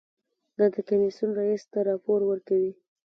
دا د کمیسیون رییس ته راپور ورکوي.